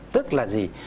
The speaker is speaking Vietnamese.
tức là gì